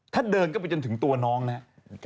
ถ้าเดินได้จนถึงตัวน้องนะฮะ